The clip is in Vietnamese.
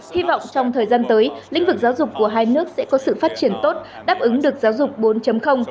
hy vọng trong thời gian tới lĩnh vực giáo dục của hai nước sẽ có sự phát triển tốt đáp ứng được giáo dục bốn